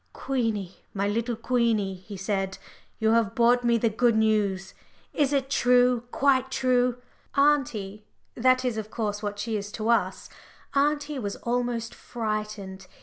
"Queenie, my little Queenie," he said, "you have brought me the good news is it true, quite true?" Auntie that is, of course, what she is to us auntie was almost frightened.